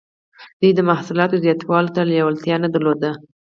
دوی د محصولاتو زیاتوالي ته لیوالتیا نه درلوده.